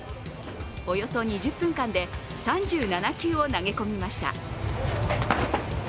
およそ２０分間で３７球を投げ込みました。